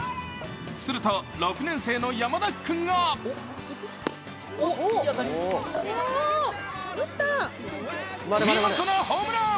すると６年生の山田君が見事なホームラン。